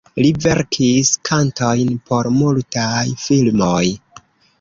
Li verkis kantojn por multaj filmoj.